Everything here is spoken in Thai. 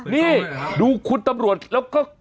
นี่ดูคุณตำรวจแล้วก็